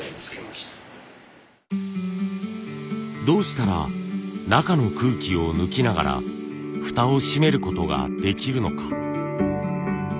どうしたら中の空気を抜きながらフタを閉めることができるのか。